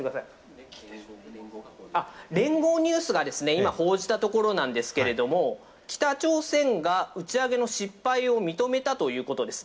聯合ニュースがですね、今、報じたところなんですけれども、北朝鮮が打ち上げの失敗を認めたということです。